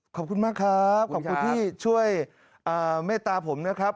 ขอบคุณมากครับขอบคุณที่ช่วยเมตตาผมนะครับ